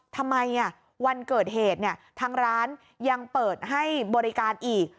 ทำไมวันเกิดเหตุทางร้านยังเปิดให้บริการอีก